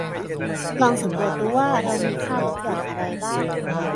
ลองสำรวจดูว่าเรามีค่าลดหย่อนอะไรบ้าง